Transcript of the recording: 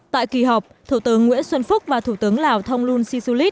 tại kỳ họp thủ tướng nguyễn xuân phúc và thủ tướng lào thông luân si su lít